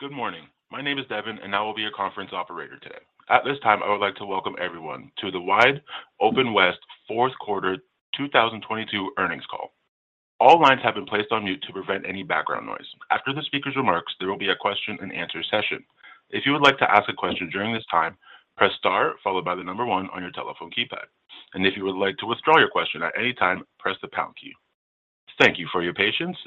Good morning. My name is Devin, and I will be your conference operator today. At this time, I would like to welcome everyone to the WideOpenWest fourth quarter 2022 earnings call. All lines have been placed on mute to prevent any background noise. After the speaker's remarks, there will be a question-and-answer session. If you would like to ask a question during this time, press star followed by 1 on your telephone keypad. If you would like to withdraw your question at any time, press the pound key. Thank you for your patience.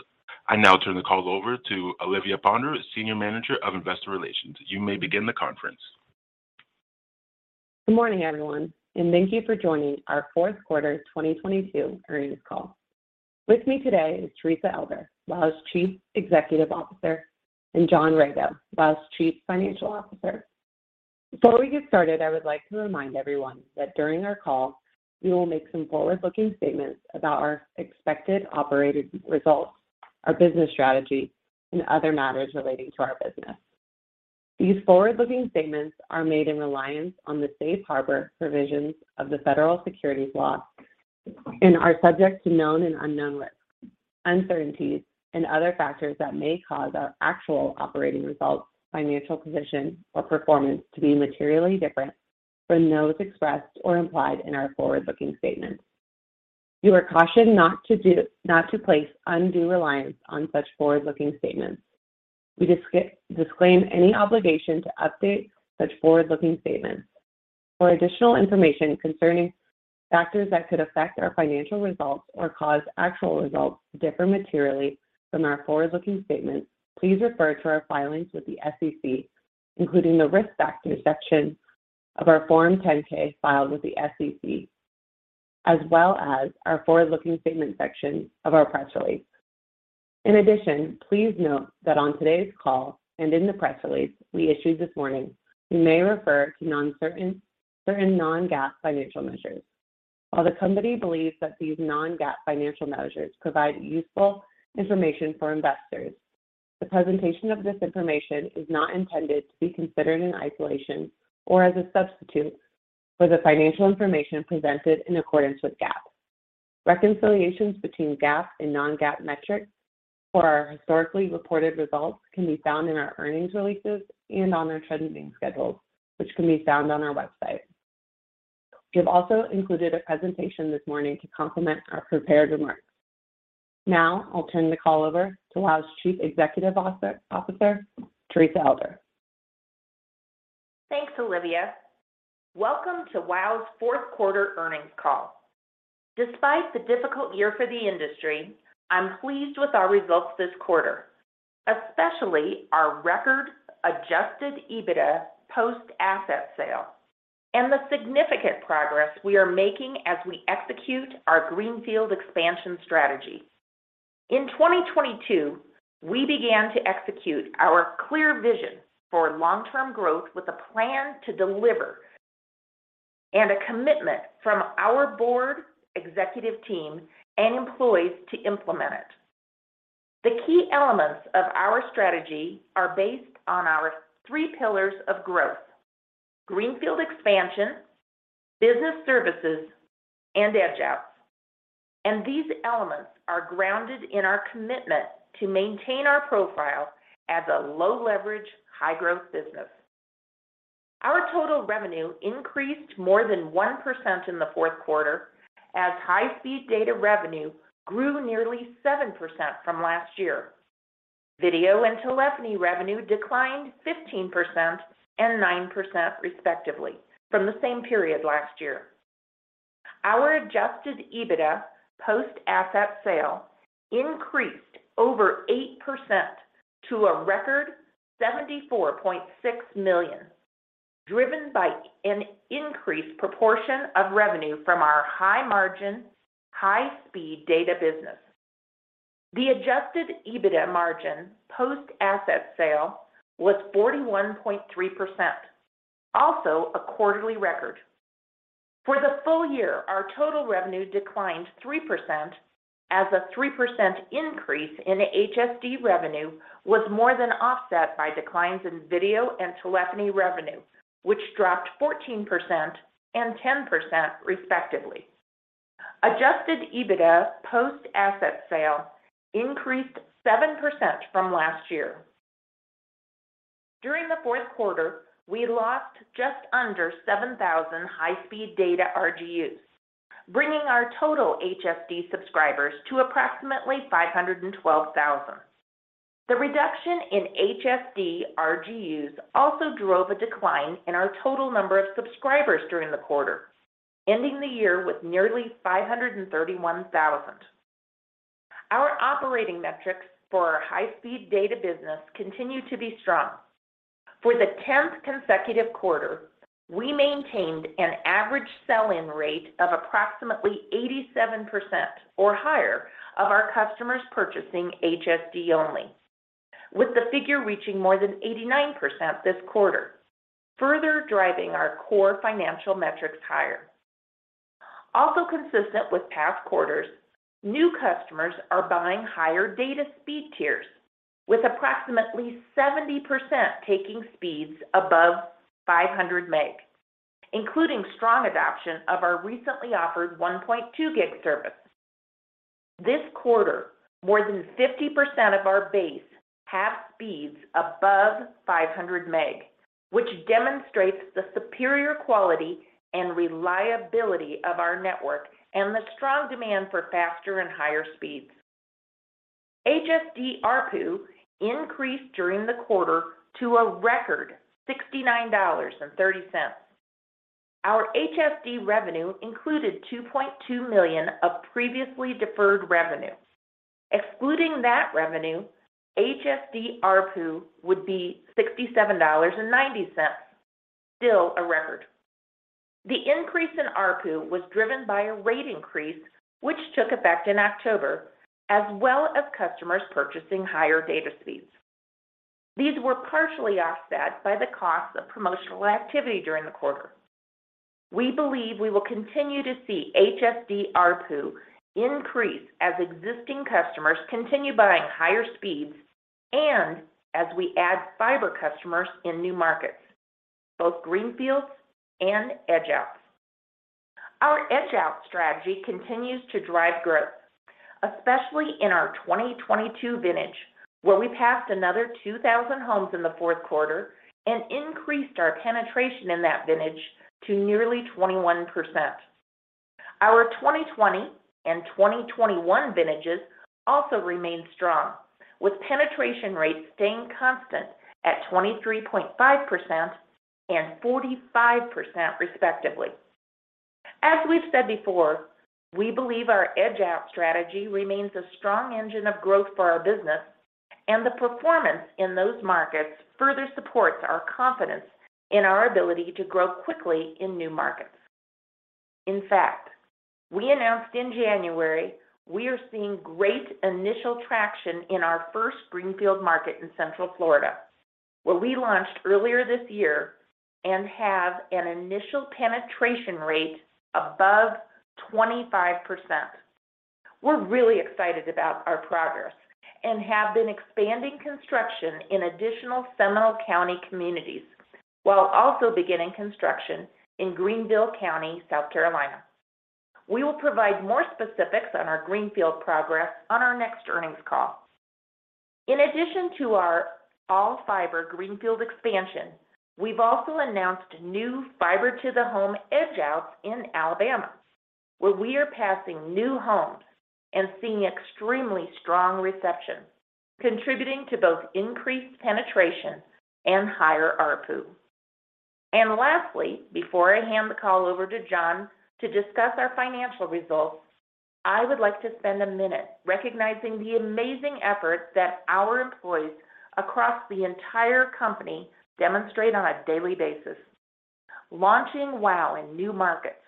I now turn the call over to Olivia Tong, Senior Manager of Investor Relations. You may begin the conference. Good morning, everyone, thank you for joining our fourth quarter 2022 earnings call. With me today is Teresa Elder, WOW!'s Chief Executive Officer, and John Rago, WOW!'s Chief Financial Officer. Before we get started, I would like to remind everyone that during our call, we will make some forward-looking statements about our expected operating results, our business strategy, and other matters relating to our business. These forward-looking statements are made in reliance on the safe harbor provisions of the federal securities laws and are subject to known and unknown risks, uncertainties, and other factors that may cause our actual operating results, financial position, or performance to be materially different from those expressed or implied in our forward-looking statements. You are cautioned not to place undue reliance on such forward-looking statements. We disclaim any obligation to update such forward-looking statements. For additional information concerning factors that could affect our financial results or cause actual results to differ materially from our forward-looking statements, please refer to our filings with the SEC, including the Risk Factors section of our Form 10-K filed with the SEC, as well as our Forward-Looking Statements section of our press release. Please note that on today's call and in the press release we issued this morning, we may refer to certain non-GAAP financial measures. While the Company believes that these non-GAAP financial measures provide useful information for investors, the presentation of this information is not intended to be considered in isolation or as a substitute for the financial information presented in accordance with GAAP. Reconciliations between GAAP and non-GAAP metrics for our historically reported results can be found in our earnings releases and on our trending schedules, which can be found on our website. We have also included a presentation this morning to complement our prepared remarks. I'll turn the call over to WOW!'s Chief Executive Officer, Teresa Elder. Thanks, Olivia. Welcome to WOW!'s fourth quarter earnings call. Despite the difficult year for the industry, I'm pleased with our results this quarter, especially our record Adjusted EBITDA post-asset sale and the significant progress we are making as we execute our greenfield expansion strategy. In 2022, we began to execute our clear vision for long-term growth with a plan to deliver and a commitment from our board, executive team, and employees to implement it. The key elements of our strategy are based on our three pillars of growth: greenfield expansion, business services, and edge-outs. These elements are grounded in our commitment to maintain our profile as a low-leverage, high-growth business. Our total revenue increased more than 1% in the fourth quarter as high-speed data revenue grew nearly 7% from last year. Video and telephony revenue declined 15% and 9%, respectively, from the same period last year. Our Adjusted EBITDA post-asset sale increased over 8% to a record $74.6 million, driven by an increased proportion of revenue from our high-margin, high-speed data business. The Adjusted EBITDA margin post-asset sale was 41.3%, also a quarterly record. For the full year, our total revenue declined 3% as a 3% increase in HSD revenue was more than offset by declines in video and telephony revenue, which dropped 14% and 10%, respectively. Adjusted EBITDA post-asset sale increased 7% from last year. During the fourth quarter, we lost just under 7,000 high-speed data RGUs, bringing our total HSD subscribers to approximately 512,000. The reduction in HSD RGUs also drove a decline in our total number of subscribers during the quarter, ending the year with nearly 531,000. Our operating metrics for our high-speed data business continue to be strong. For the 10th consecutive quarter, we maintained an average sell-in rate of approximately 87% or higher of our customers purchasing HSD only, with the figure reaching more than 89% this quarter, further driving our core financial metrics higher. Also consistent with past quarters, new customers are buying higher data speed tiers, with approximately 70% taking speeds above 500 meg, including strong adoption of our recently offered 1.2 Gig service. This quarter, more than 50% of our base have speeds above 500 meg, which demonstrates the superior quality and reliability of our network and the strong demand for faster and higher speeds. HSD ARPU increased during the quarter to a record $69.30. Our HSD revenue included $2.2 million of previously deferred revenue. Excluding that revenue, HSD ARPU would be $67.90, still a record. The increase in ARPU was driven by a rate increase, which took effect in October, as well as customers purchasing higher data speeds. These were partially offset by the cost of promotional activity during the quarter. We believe we will continue to see HSD ARPU increase as existing customers continue buying higher speeds and as we add fiber customers in new markets, both greenfields and edge-outs. Our edge-out strategy continues to drive growth, especially in our 2022 vintage, where we passed another 2,000 homes in the fourth quarter and increased our penetration in that vintage to nearly 21%. Our 2020 and 2021 vintages also remain strong, with penetration rates staying constant at 23.5% and 45% respectively. As we've said before, we believe our edge-out strategy remains a strong engine of growth for our business, and the performance in those markets further supports our confidence in our ability to grow quickly in new markets. In fact, we announced in January we are seeing great initial traction in our first greenfield market in Central Florida, where we launched earlier this year and have an initial penetration rate above 25%. We're really excited about our progress and have been expanding construction in additional Seminole County communities while also beginning construction in Greenville County, South Carolina. We will provide more specifics on our greenfield progress on our next earnings call. In addition to our all-fiber greenfield expansion, we've also announced new Fiber to the Home edge-outs in Alabama, where we are passing new homes and seeing extremely strong reception, contributing to both increased penetration and higher ARPU. Lastly, before I hand the call over to John to discuss our financial results, I would like to spend a minute recognizing the amazing efforts that our employees across the entire company demonstrate on a daily basis, launching WOW! in new markets,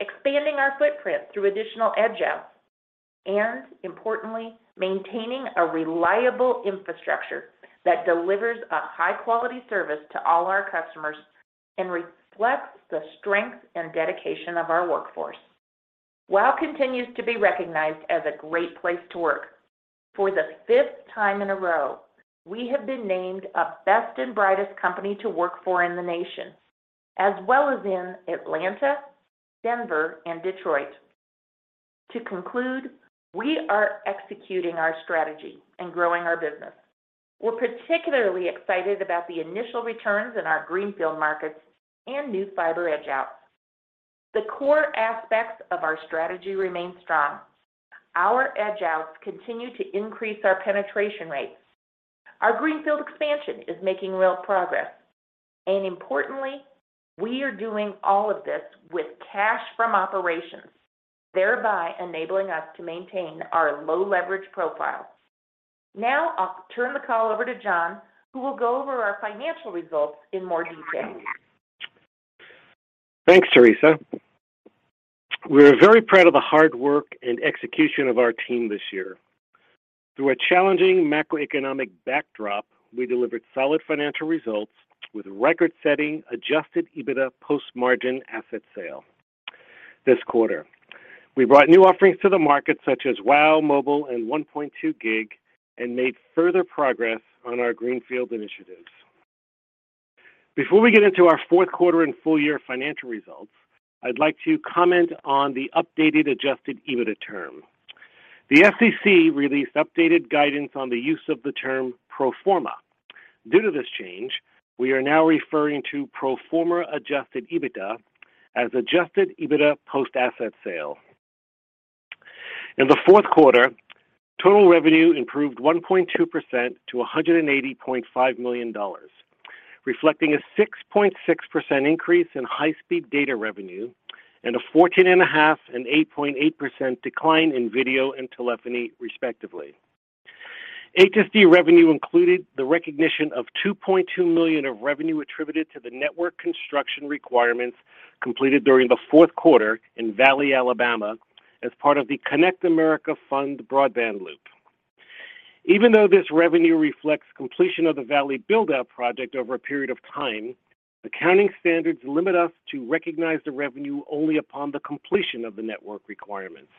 expanding our footprint through additional edge-outs, and importantly, maintaining a reliable infrastructure that delivers a high-quality service to all our customers and reflects the strength and dedication of our workforce. WOW! continues to be recognized as a great place to work. For the 5th time in a row, we have been named a Best and Brightest Companies to Work For in the nation, as well as in Atlanta, Denver, and Detroit. To conclude, we are executing our strategy and growing our business. We're particularly excited about the initial returns in our greenfield markets and new fiber edge-outs. The core aspects of our strategy remain strong. Our edge-outs continue to increase our penetration rates. Our greenfield expansion is making real progress. Importantly, we are doing all of this with cash from operations, thereby enabling us to maintain our low leverage profile. Now I'll turn the call over to John, who will go over our financial results in more detail. Thanks, Teresa. We're very proud of the hard work and execution of our team this year. Through a challenging macroeconomic backdrop, we delivered solid financial results with record-setting Adjusted EBITDA post margin asset sale this quarter. We brought new offerings to the market such as WOW! mobile and 1.2 Gig and made further progress on our greenfield initiatives. Before we get into our fourth quarter and full year financial results, I'd like to comment on the updated Adjusted EBITDA term. The FCC released updated guidance on the use of the term pro forma. Due to this change, we are now referring to pro forma Adjusted EBITDA as Adjusted EBITDA post-asset sale. In the fourth quarter, total revenue improved 1.2% to $180.5 million, reflecting a 6.6% increase in High-Speed Data revenue and a 14.5% and 8.8% decline in video and telephony, respectively. HSD revenue included the recognition of $2.2 million of revenue attributed to the network construction requirements completed during the fourth quarter in Valley, Alabama as part of the Connect America Fund Broadband Loop. Even though this revenue reflects completion of the Valley build-out project over a period of time, accounting standards limit us to recognize the revenue only upon the completion of the network requirements.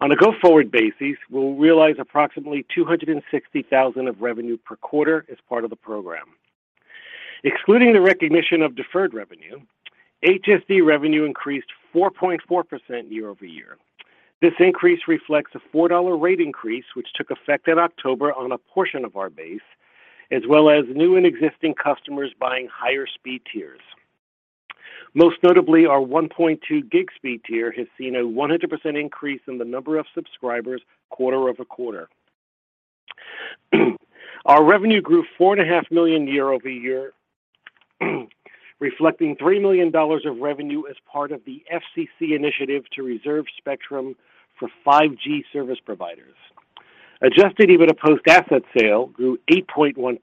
On a go-forward basis, we'll realize approximately $260,000 of revenue per quarter as part of the program. Excluding the recognition of deferred revenue, HSD revenue increased 4.4% year-over-year. This increase reflects a $4 rate increase, which took effect in October on a portion of our base, as well as new and existing customers buying higher speed tiers. Most notably, our 1.2 Gig speed tier has seen a 100% increase in the number of subscribers quarter-over-quarter. Our revenue grew $4.5 million year-over-year, reflecting $3 million of revenue as part of the FCC initiative to reserve spectrum for 5G service providers. Adjusted EBITDA post-asset sale grew 8.1%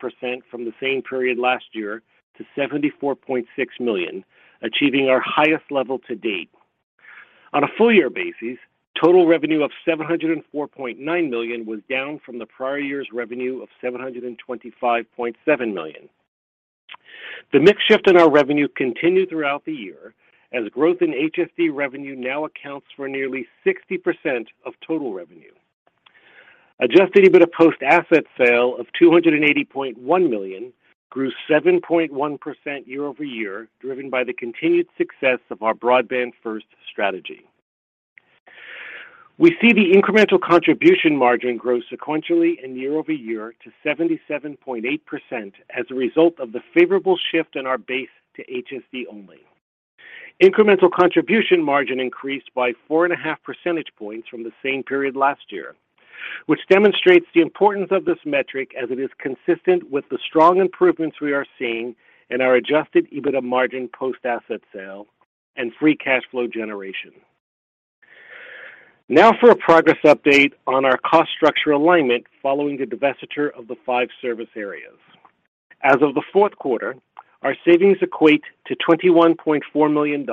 from the same period last year to $74.6 million, achieving our highest level to date. On a full year basis, total revenue of $704.9 million was down from the prior year's revenue of $725.7 million. The mix shift in our revenue continued throughout the year as growth in HSD revenue now accounts for nearly 60% of total revenue. Adjusted EBITDA post-asset sale of $280.1 million grew 7.1% year-over-year, driven by the continued success of our broadband first strategy. We see the incremental contribution margin grow sequentially and year-over-year to 77.8% as a result of the favorable shift in our base to HSD only. Incremental contribution margin increased by four and a half percentage points from the same period last year, which demonstrates the importance of this metric as it is consistent with the strong improvements we are seeing in our Adjusted EBITDA margin post-asset sale and free cash flow generation. For a progress update on our cost structure alignment following the divestiture of the 5 service areas. As of the fourth quarter, our savings equate to $21.4 million.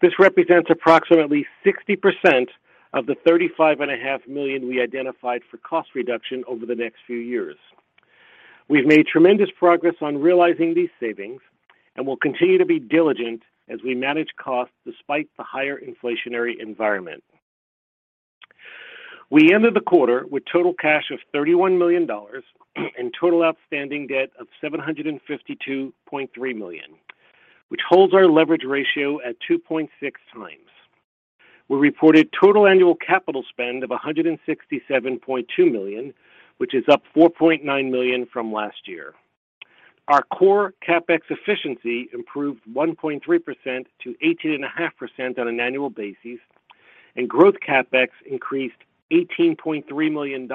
This represents approximately 60% of the thirty-five and a half million dollars we identified for cost reduction over the next few years. We've made tremendous progress on realizing these savings and will continue to be diligent as we manage costs despite the higher inflationary environment. We ended the quarter with total cash of $31 million and total outstanding debt of $752.3 million, which holds our leverage ratio at 2.6 times. We reported total annual capital spend of $167.2 million, which is up $4.9 million from last year. Our core CapEx efficiency improved 1.3% to 18.5% on an annual basis. growth CapEx increased $18.3 million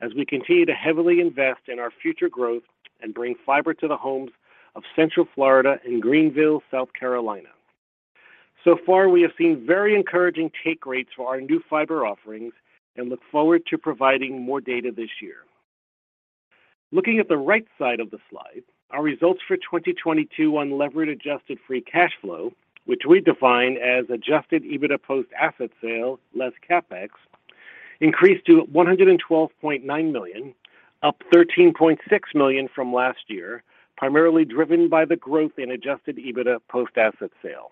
as we continue to heavily invest in our future growth and bring fiber to the homes of Central Florida and Greenville, South Carolina. We have seen very encouraging take rates for our new fiber offerings and look forward to providing more data this year. Looking at the right side of the slide, our results for 2022 unlevered adjusted free cash flow, which we define as Adjusted EBITDA post-asset sale less CapEx, increased to $112.9 million, up $13.6 million from last year, primarily driven by the growth in Adjusted EBITDA post-asset sale.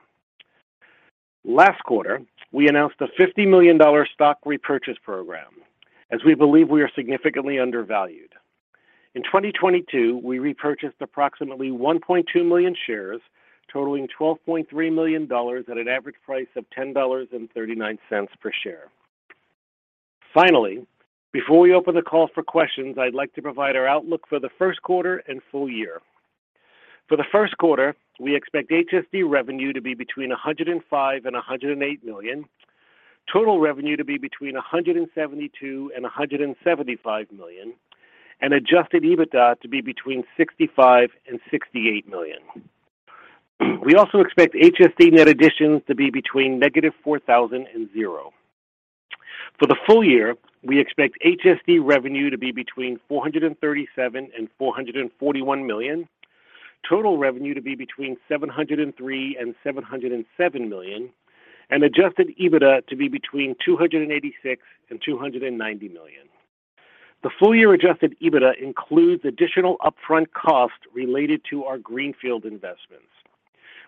Last quarter, we announced a $50 million stock repurchase program as we believe we are significantly undervalued. In 2022, we repurchased approximately 1.2 million shares, totaling $12.3 million at an average price of $10.39 per share. Finally, before we open the call for questions, I'd like to provide our outlook for the first quarter and full year. For the first quarter, we expect HSD revenue to be between $105 million and $108 million, total revenue to be between $172 million and $175 million, and Adjusted EBITDA to be between $65 million and $68 million. We also expect HSD net additions to be between -4,000 and 0. For the full year, we expect HSD revenue to be between $437 million and $441 million, total revenue to be between $703 million and $707 million, and Adjusted EBITDA to be between $286 million and $290 million. The full year Adjusted EBITDA includes additional upfront costs related to our greenfield investments.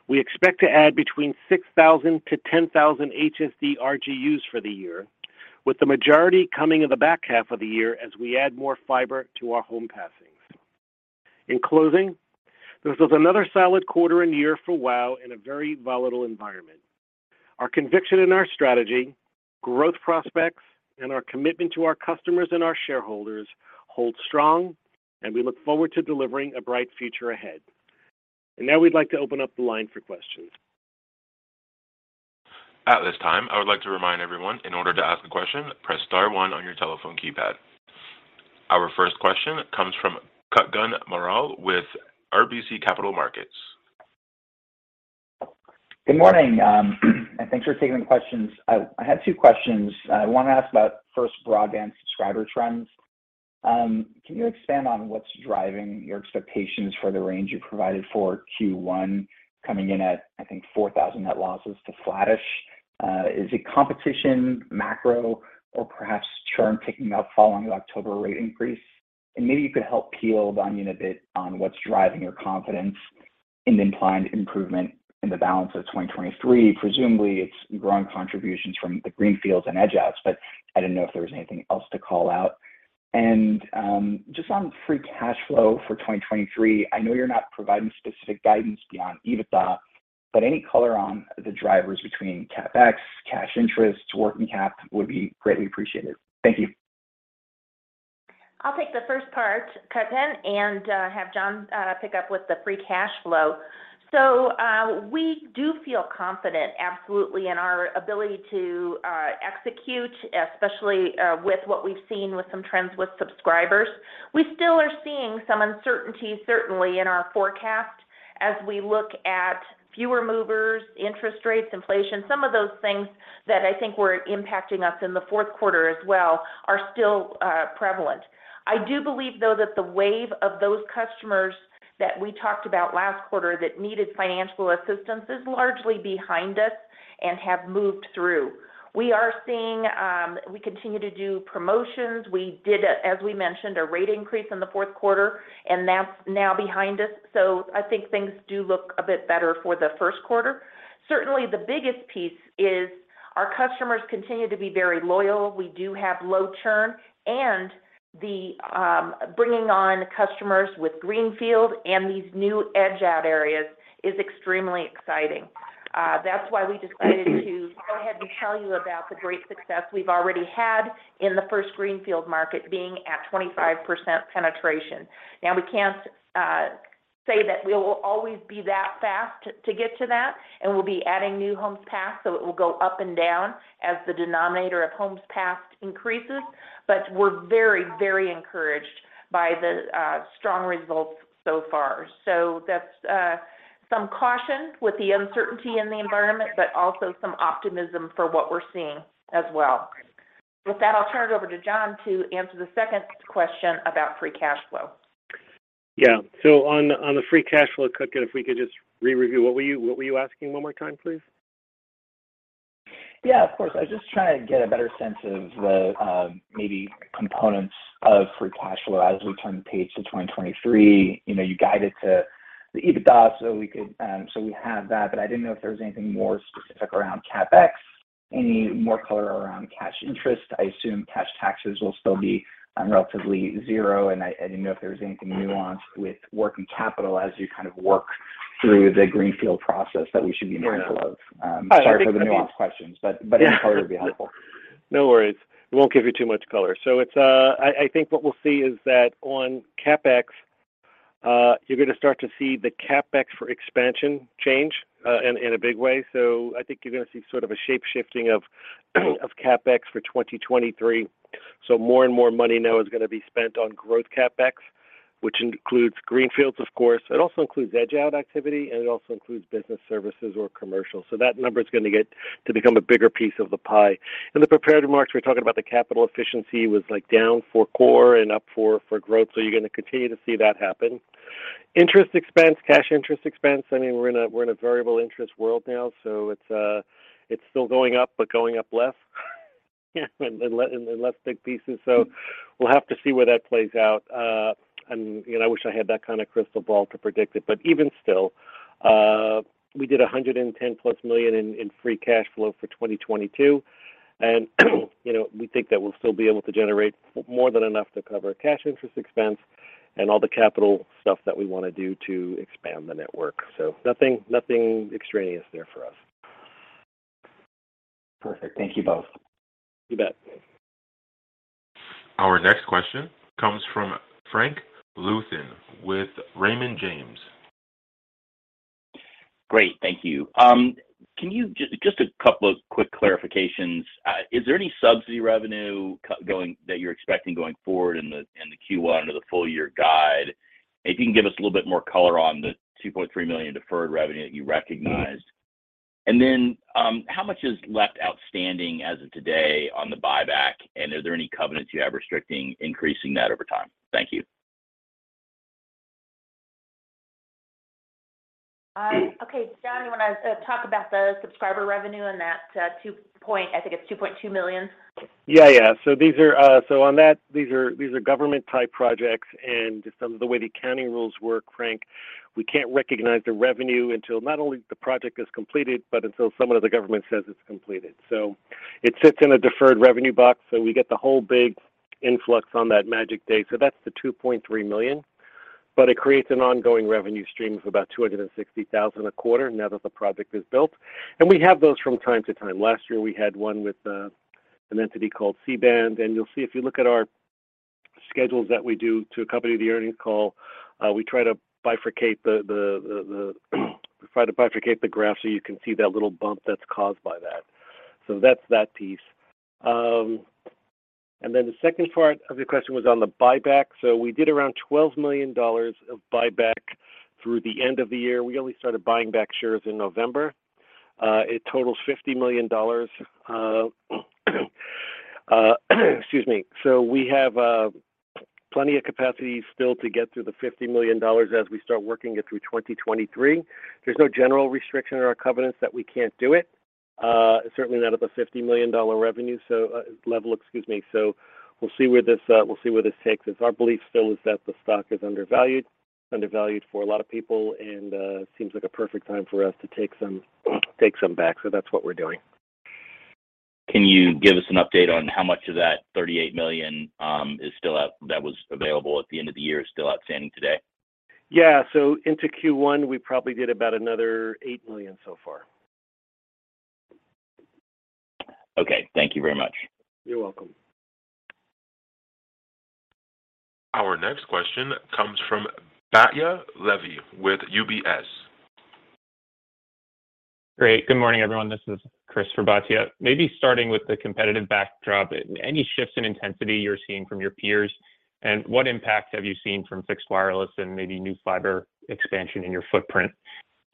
We expect to add between 6,000-10,000 HSD RGUs for the year, with the majority coming in the back half of the year as we add more fiber to our home passings. In closing, this was another solid quarter and year for WOW! in a very volatile environment. Our conviction in our strategy, growth prospects, and our commitment to our customers and our shareholders hold strong, and we look forward to delivering a bright future ahead. Now we'd like to open up the line for questions. At this time, I would like to remind everyone, in order to ask a question, press star one on your telephone keypad. Our first question comes from Kutgun Maral with RBC Capital Markets. Good morning. Thanks for taking the questions. I had two questions. I want to ask about, first, broadband subscriber trends. Can you expand on what's driving your expectations for the range you provided for Q1 coming in at, I think, 4,000 net losses to flattish? Is it competition, macro, or perhaps churn picking up following the October rate increase? Maybe you could help peel the onion a bit on what's driving your confidence. Implied improvement in the balance of 2023. Presumably, it's growing contributions from the greenfields and edge adds, but I didn't know if there was anything else to call out. Just on free cash flow for 2023, I know you're not providing specific guidance beyond EBITDA, but any color on the drivers between CapEx, cash interest, working cap would be greatly appreciated. Thank you. I'll take the first part, Kutgun, and have John pick up with the free cash flow. We do feel confident absolutely in our ability to execute, especially with what we've seen with some trends with subscribers. We still are seeing some uncertainty, certainly in our forecast as we look at fewer movers, interest rates, inflation, some of those things that I think were impacting us in the fourth quarter as well are still prevalent. I do believe, though, that the wave of those customers that we talked about last quarter that needed financial assistance is largely behind us and have moved through. We are seeing, we continue to do promotions. We did, as we mentioned, a rate increase in the fourth quarter, and that's now behind us. I think things do look a bit better for the first quarter. Certainly, the biggest piece is our customers continue to be very loyal. We do have low churn, and the, bringing on customers with greenfield and these new edge add areas is extremely exciting. That's why we decided to go ahead and tell you about the great success we've already had in the first greenfield market being at 25% penetration. Now, we can't say that we will always be that fast to get to that, and we'll be adding new homes passed, so it will go up and down as the denominator of homes passed increases. But we're very, very encouraged by the strong results so far. So that's some caution with the uncertainty in the environment, but also some optimism for what we're seeing as well. With that, I'll turn it over to John to answer the second question about free cash flow. Yeah. On the free cash flow, Kutgun, if we could just re-review. What were you asking one more time, please? Yeah, of course. I was just trying to get a better sense of the maybe components of free cash flow as we turn the page to 2023. You know, you guided to the EBITDA, so we have that, but I didn't know if there was anything more specific around CapEx, any more color around cash interest. I assume cash taxes will still be relatively 0, and I didn't know if there was anything nuanced with working capital as you kind of work through the greenfield process that we should be mindful of. Yeah. Sorry for the nuanced questions, but any color would be helpful. No worries. I won't give you too much color. It's, I think what we'll see is that on CapEx, you're gonna start to see the CapEx for expansion change in a big way. I think you're gonna see sort of a shape-shifting of CapEx for 2023. More and more money now is gonna be spent on growth CapEx, which includes greenfields, of course. It also includes edge-out activity, and it also includes business services or commercial. That number is gonna get to become a bigger piece of the pie. In the prepared remarks, we were talking about the capital efficiency was, like, down for core and up for growth. You're gonna continue to see that happen. Interest expense, cash interest expense, I mean, we're in a, we're in a variable interest world now, it's still going up, but going up less and in less big pieces. We'll have to see where that plays out. You know, I wish I had that kind of crystal ball to predict it. Even still, we did $110+ million in free cash flow for 2022. You know, we think that we'll still be able to generate more than enough to cover cash interest expense and all the capital stuff that we wanna do to expand the network. Nothing, nothing extraneous there for us. Perfect. Thank you both. You bet. Our next question comes from Frank Louthan with Raymond James. Great. Thank you. Can you just a couple of quick clarifications? Is there any subsidy revenue that you're expecting going forward in the Q1 or the full year guide? If you can give us a little bit more color on the $2.3 million deferred revenue that you recognized. How much is left outstanding as of today on the buyback, and are there any covenants you have restricting increasing that over time? Thank you. Okay. John, you wanna talk about the subscriber revenue and that, I think it's $2.2 million. Yeah, yeah. On that, these are government-type projects, just under the way the accounting rules work, Frank, we can't recognize the revenue until not only the project is completed but until someone in the government says it's completed. It sits in a deferred revenue box, so we get the whole big influx on that magic day. That's the $2.3 million, it creates an ongoing revenue stream of about $260,000 a quarter now that the project is built. We have those from time to time. Last year, we had one with an entity called C-Band. You'll see if you look at our schedules that we do to accompany the earnings call, we try to bifurcate the graph so you can see that little bump that's caused by that. That's that piece. The second part of your question was on the buyback. We did around $12 million of buyback through the end of the year. We only started buying back shares in November. It totals $50 million. Excuse me. We have plenty of capacity still to get through the $50 million as we start working it through 2023. There's no general restriction in our covenants that we can't do it. Certainly not at the $50 million revenue, so, level, excuse me. We'll see where this, we'll see where this takes us. Our belief still is that the stock is undervalued for a lot of people, and seems like a perfect time for us to take some back. That's what we're doing. Can you give us an update on how much of that $38 million that was available at the end of the year is still outstanding today? Yeah. Into Q1, we probably did about another $8 million so far. Okay. Thank you very much. You're welcome. Our next question comes from Batya Levy with UBS. Great, good morning, everyone. This is Chris for Batya. Maybe starting with the competitive backdrop, any shifts in intensity you're seeing from your peers, and what impact have you seen from fixed wireless and maybe new fiber expansion in your footprint?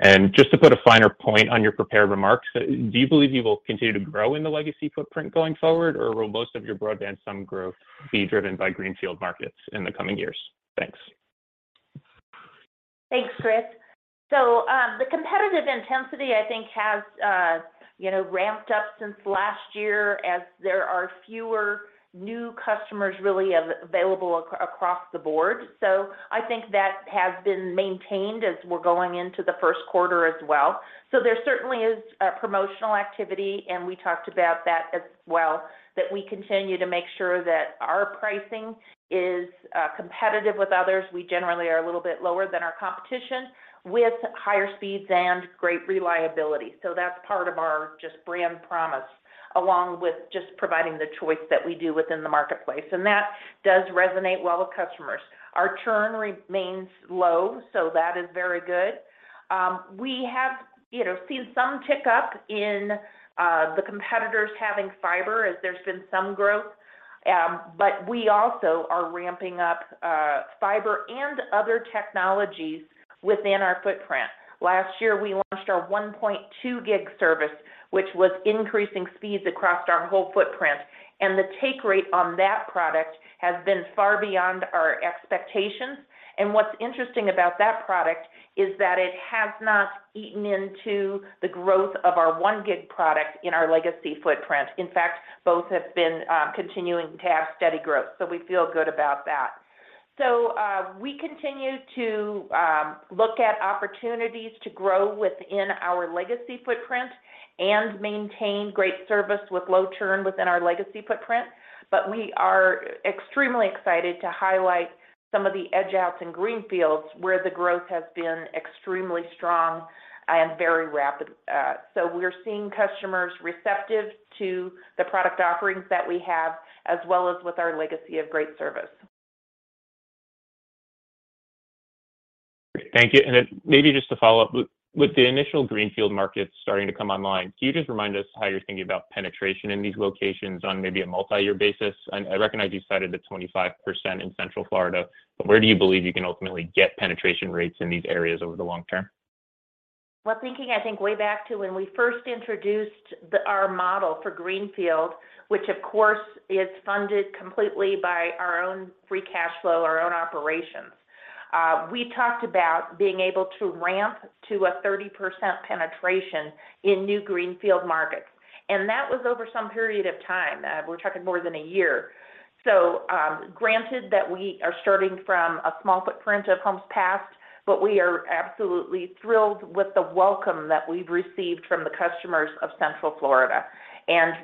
And just to put a finer point on your prepared remarks, do you believe you will continue to grow in the legacy footprint going forward, or will most of your broadband sum growth be driven by greenfield markets in the coming years? Thanks. Thanks, Chris. The competitive intensity, I think, has, you know, ramped up since last year as there are fewer new customers really available across the board. I think that has been maintained as we're going into the first quarter as well. There certainly is promotional activity, and we talked about that as well, that we continue to make sure that our pricing is competitive with others. We generally are a little bit lower than our competition with higher speeds and great reliability. That's part of our just brand promise, along with just providing the choice that we do within the marketplace. That does resonate well with customers. Our churn remains low. That is very good. We have, you know, seen some tick up in the competitors having fiber as there's been some growth, but we also are ramping up fiber and other technologies within our footprint. Last year, we launched our 1.2 Gig service, which was increasing speeds across our whole footprint, and the take rate on that product has been far beyond our expectations. What's interesting about that product is that it has not eaten into the growth of our 1 Gig product in our legacy footprint. In fact, both have been continuing to have steady growth. We feel good about that. We continue to look at opportunities to grow within our legacy footprint and maintain great service with low churn within our legacy footprint. We are extremely excited to highlight some of the edge outs in greenfields where the growth has been extremely strong and very rapid. We're seeing customers receptive to the product offerings that we have, as well as with our legacy of great service. Thank you. Maybe just to follow up, with the initial greenfield markets starting to come online, can you just remind us how you're thinking about penetration in these locations on maybe a multi-year basis? I recognize you cited the 25% in Central Florida, but where do you believe you can ultimately get penetration rates in these areas over the long term? Thinking, I think, way back to when we first introduced our model for Greenfield, which of course, is funded completely by our own free cash flow, our own operations. We talked about being able to ramp to a 30% penetration in new Greenfield markets, that was over some period of time. We're talking more than a year. Granted that we are starting from a small footprint of homes passed, we are absolutely thrilled with the welcome that we've received from the customers of Central Florida.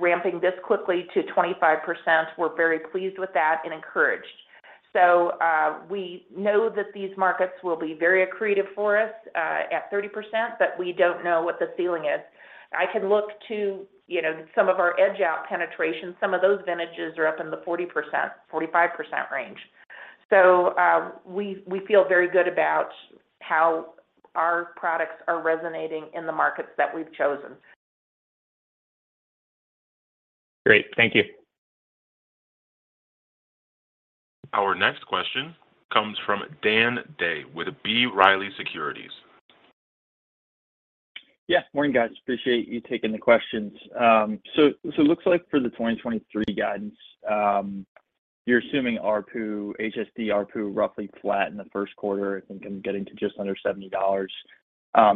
Ramping this quickly to 25%, we're very pleased with that and encouraged. We know that these markets will be very accretive for us at 30%, we don't know what the ceiling is. I can look to, you know, some of our edge out penetration. Some of those vintages are up in the 40%-45% range. We feel very good about how our products are resonating in the markets that we've chosen. Great. Thank you. Our next question comes from Dan Day with B. Riley Securities. Yeah. Morning, guys. Appreciate you taking the questions. So it looks like for the 2023 guidance, you're assuming ARPU, HSD ARPU roughly flat in the first quarter, I think, and getting to just under $70.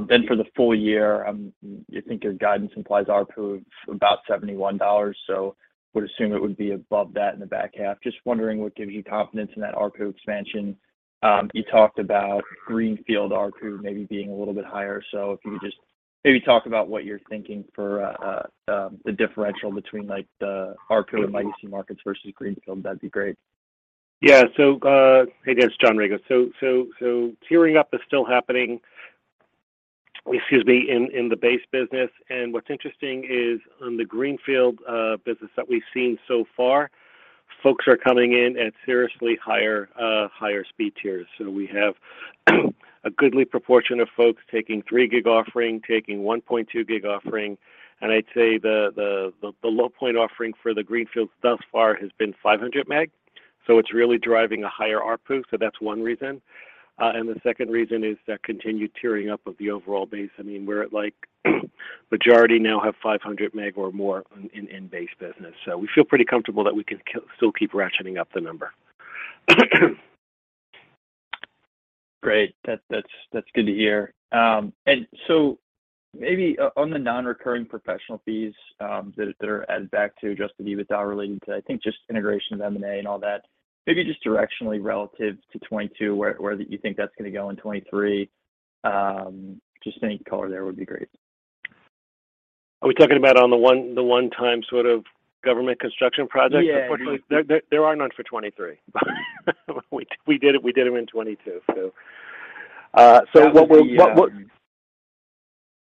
Then for the full year, I think your guidance implies ARPU of about $71. Would assume it would be above that in the back half. Just wondering what gives you confidence in that ARPU expansion. You talked about greenfield ARPU maybe being a little bit higher. If you could just maybe talk about what you're thinking for the differential between, like, the ARPU in legacy markets versus greenfield, that'd be great. Hey guys, John Rago. So tiering up is still happening, excuse me, in the base business. What's interesting is on the greenfield business that we've seen so far, folks are coming in at seriously higher speed tiers. We have a goodly proportion of folks taking 3 Gig offering, taking 1.2 Gig offering, and I'd say the low point offering for the greenfields thus far has been 500 meg. It's really driving a higher ARPU, so that's one reason. The second reason is the continued tiering up of the overall base. I mean, we're at like, majority now have 500 meg or more in base business. We feel pretty comfortable that we can still keep ratcheting up the number. Great. That's good to hear. Maybe on the non-recurring professional fees that are added back to Adjusted EBITDA related to, I think, just integration of M&A and all that, maybe just directionally relative to 22, where do you think that's gonna go in 23? Just any color there would be great. Are we talking about on the one, the one-time sort of government construction project? Yeah. Unfortunately, there are none for 23. We did it, we did them in 22, so. That would be.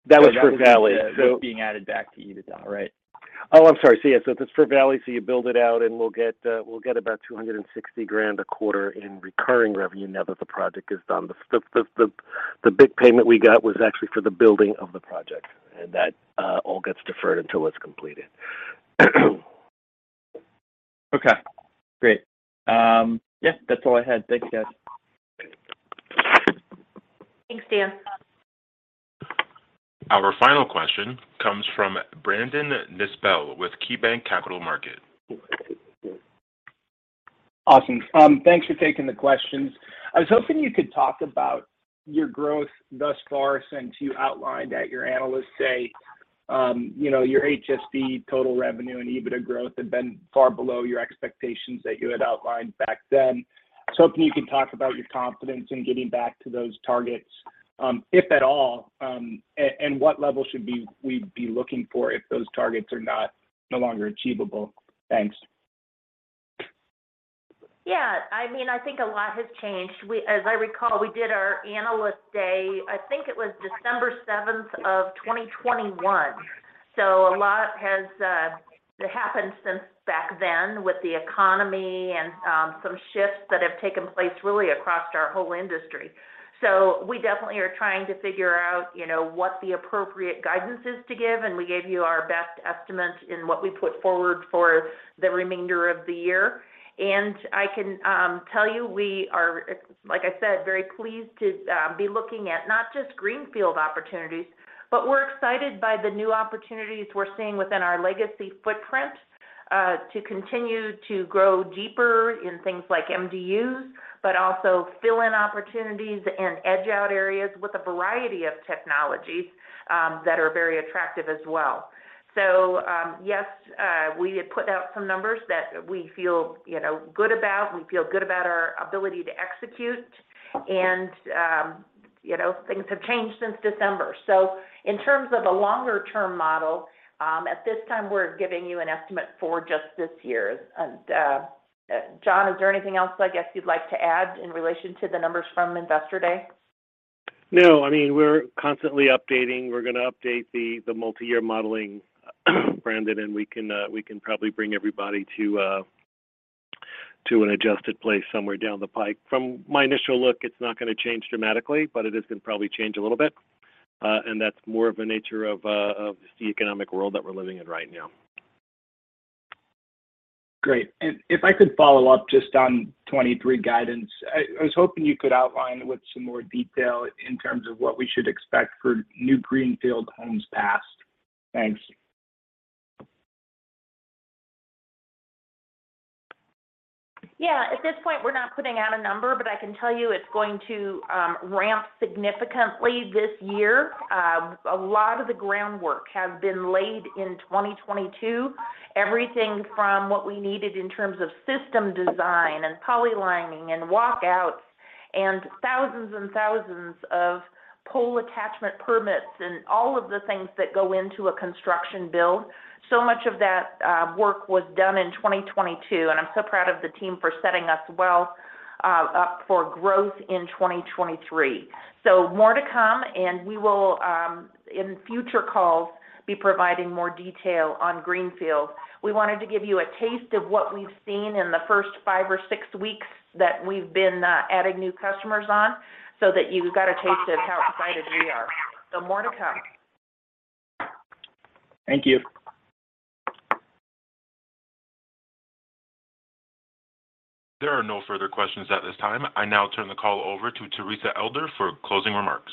That was for Valley. That was being added back to EBITDA, right? Oh, I'm sorry. Yeah. If it's for Valley, so you build it out, and we'll get about $260 thousand a quarter in recurring revenue now that the project is done. The big payment we got was actually for the building of the project, and that all gets deferred until it's completed. Okay. Great. Yeah, that's all I had. Thanks, guys. Thanks, Dan. Our final question comes from Brandon Nispel with KeyBanc Capital Markets. Awesome. Thanks for taking the questions. I was hoping you could talk about your growth thus far since you outlined at your analyst day, you know, your HSD total revenue and EBITDA growth had been far below your expectations that you had outlined back then. I was hoping you could talk about your confidence in getting back to those targets, if at all, and what level should be, we'd be looking for if those targets are not, no longer achievable. Thanks. Yeah. I mean, I think a lot has changed. As I recall, we did our analyst day, I think it was December seventh of 2021. A lot has happened since back then with the economy and some shifts that have taken place really across our whole industry. We definitely are trying to figure out, you know, what the appropriate guidance is to give, and we gave you our best estimate in what we put forward for the remainder of the year. I can tell you we are, like I said, very pleased to be looking at not just greenfield opportunities, but we're excited by the new opportunities we're seeing within our legacy footprint, to continue to grow deeper in things like MDUs, but also fill in opportunities and edge out areas with a variety of technologies that are very attractive as well. Yes, we had put out some numbers that we feel, you know, good about, we feel good about our ability to execute. You know, things have changed since December. In terms of a longer term model, at this time, we're giving you an estimate for just this year. John, is there anything else I guess you'd like to add in relation to the numbers from Investor Day? No. I mean, we're constantly updating. We're gonna update the multi-year modeling, Brandon, and we can probably bring everybody to an adjusted place somewhere down the pike. From my initial look, it's not gonna change dramatically, but it is gonna probably change a little bit. That's more of a nature of the economic world that we're living in right now. Great. If I could follow up just on 2023 guidance. I was hoping you could outline with some more detail in terms of what we should expect for new greenfield homes passed. Thanks. At this point, we're not putting out a number, but I can tell you it's going to ramp significantly this year. A lot of the groundwork has been laid in 2022. Everything from what we needed in terms of system design and poly lining and walkouts and thousands and thousands of pole attachment permits and all of the things that go into a construction build. Much of that work was done in 2022, and I'm so proud of the team for setting us well up for growth in 2023. More to come, and we will in future calls, be providing more detail on greenfield. We wanted to give you a taste of what we've seen in the first 5 or 6 weeks that we've been adding new customers on so that you've got a taste of how excited we are. More to come. Thank you. There are no further questions at this time. I now turn the call over to Teresa Elder for closing remarks.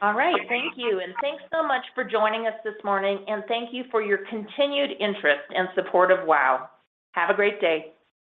All right. Thank you, and thanks so much for joining us this morning. Thank you for your continued interest and support of WOW!. Have a great day.